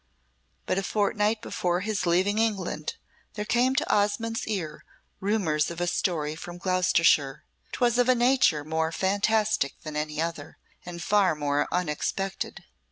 But a fortnight before his leaving England there came to Osmonde's ear rumours of a story from Gloucestershire 'twas of a nature more fantastic than any other, and far more unexpected.